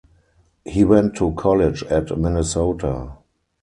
He went to college at Minnesota.